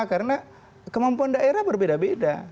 karena kemampuan daerah berbeda beda